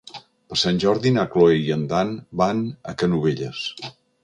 Per Sant Jordi na Cloè i en Dan van a Canovelles.